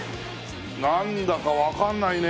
なんだかわかんないね